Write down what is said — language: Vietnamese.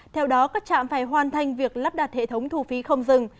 theo đó các trạm phải hoàn thành việc lắp đặt hệ thống thu phí không dừng